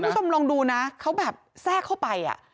เดี๋ยวคุณคุณคงลองดูนะเขาแบบแทรกเข้าไปอะ